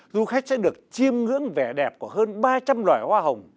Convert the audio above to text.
du khách sẽ được chiêm ngưỡng vẻ đẹp của hơn ba trăm linh loài hoa hồng